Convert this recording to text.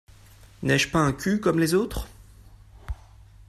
N’ai-je pas un cul comme les autres ?